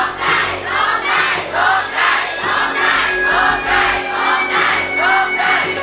ร้องได้ร้องได้ร้องได้ร้องได้